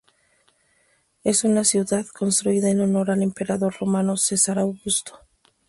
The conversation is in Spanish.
Es una ciudad construida en Honor al emperador Romano Cesar Augusto.